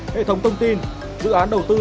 hệ thống thông tin dự án đầu tư